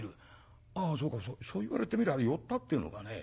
そうかそう言われてみりゃあれ寄ったっていうのかね。